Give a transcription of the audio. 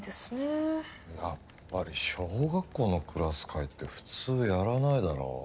やっぱり小学校のクラス会って普通やらないだろ。